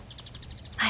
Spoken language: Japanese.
はい。